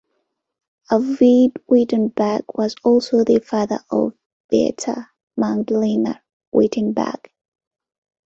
Arvid Wittenberg was also the father of Beata Magdalena Wittenberg.